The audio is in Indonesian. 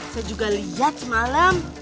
saya juga lihat semalam